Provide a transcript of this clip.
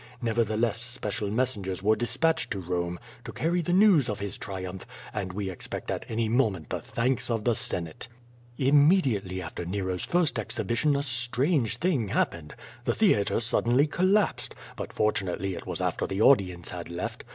Nevertheless special messengers were dispatched to Rome to carry the news of his triumph, and we expect at any moment the thanks of the Senate. Im j^4 QUO VADI8. mediately after Nero's first exliibition a strange thing hap pened. The theatre suddenly collajised, hut fortunately it was after the audience had left.